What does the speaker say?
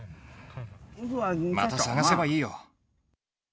また探せばいいよ。